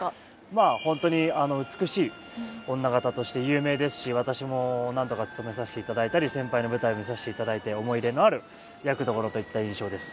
まあ本当に美しい女方として有名ですし私も何度かつとめさせていただいたり先輩の舞台見させていただいて思い入れのある役どころといった印象です。